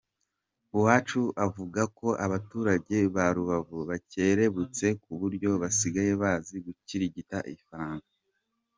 Uwacu avuga ko abaturage ba Rubavu bacyerebutse kuburyo basigaye bazi gukirigita ifaranga.